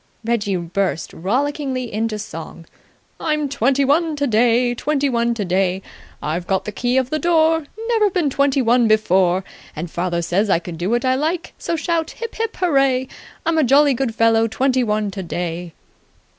Reggie burst rollickingly into song. "I'm twenty one today! Twenty one today! I've got the key of the door! Never been twenty one before! And father says I can do what I like! So shout Hip hip hooray! I'm a jolly good fellow, Twenty one today."